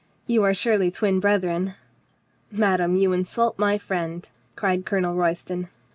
"You are surely twin brethren?" "Madame, you insult my friend," cried Colonel Royston.